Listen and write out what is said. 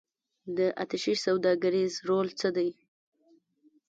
د اتشې سوداګریز رول څه دی؟